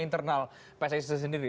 internal pssi sendiri